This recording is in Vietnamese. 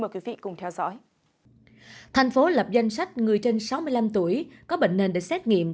tp hcm lập danh sách người trên sáu mươi năm tuổi có bệnh nền để xét nghiệm